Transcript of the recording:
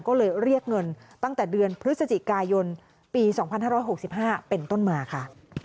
ก็เลยเรียกเงินตั้งแต่เดือนพฤศจิกายนปี๒๕๖๕เป็นต้นมาค่ะ